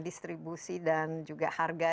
distribusi dan juga harga